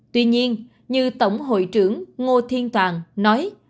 tuy nhiên như tổng hội trưởng ngô thiên toàn nói